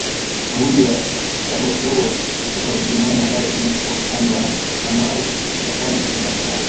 mawili ya saboteurs kutoka Ujerumani ambayo imekuwa kupandwa na manowari katika pwani ya Marekani